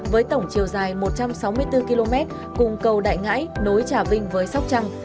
với tổng chiều dài một trăm sáu mươi bốn km cùng cầu đại ngãi nối trà vinh với sóc trăng